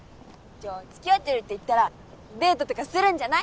じゃあ付き合ってるっていったらデートとかするんじゃない？